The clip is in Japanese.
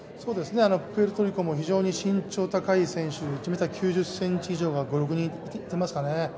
プエルトリコも非常に身長が高い選手、１ｍ９０ｃｍ以上が５６人いますかね。